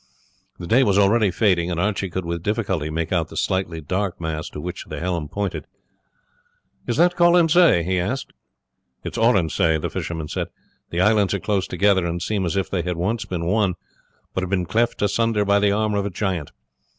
The day was already fading, and Archie could with difficulty make out the slightly dark mass to which the helm pointed. "Is that Colonsay?" he asked. "It is Oronsay," the fisherman said. "The islands are close together and seem as if they had once been one, but have been cleft asunder by the arm of a giant.